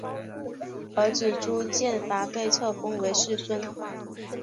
儿子朱健杙被册封为世孙。